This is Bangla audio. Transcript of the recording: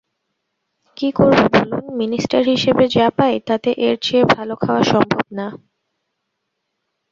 কী করব বলুন-মিনিস্টার হিসেবে যা পাই তাতে এর চেয়ে ভালো খাওয়া সম্ভব না।